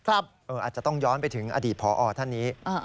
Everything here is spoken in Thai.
อาจจะต้องย้อนไปถึงอดีตพอท่านนี้